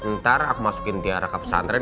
ntar aku masukin tiara ke pesantren